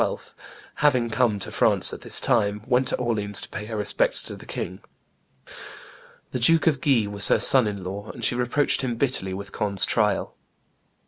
having come to France at this time, went to Orleans to pay her respects to the king. The Duke of Guise was her son in law, and she reproached him bitterly with Conde's trial.